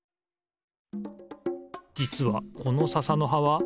じつはこのささのはは